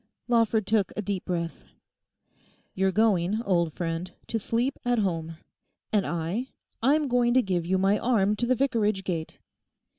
Lawford took a deep breath. 'You're going, old friend, to sleep at home. And I—I'm going to give you my arm to the Vicarage gate.